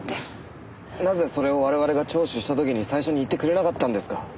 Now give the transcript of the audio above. なぜそれを我々が聴取した時に最初に言ってくれなかったんですか？